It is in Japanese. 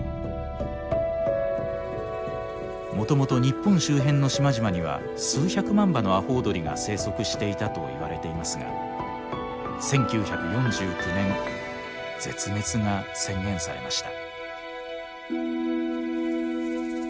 もともと日本周辺の島々には数百万羽のアホウドリが生息していたといわれていますが１９４９年絶滅が宣言されました。